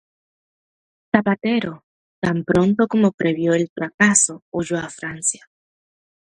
Zapatero, tan pronto como previó el fracaso, huyó a Francia.